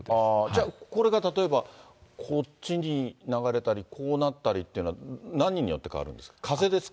じゃあ、これが例えば、こっちに流れたり、こうなったりっていうのは、何によって変わるんですか？